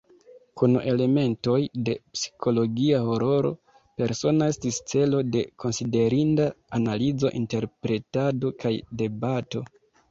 Kun elementoj de psikologia hororo, "Persona" estis celo de konsiderinda analizo, interpretado kaj debato.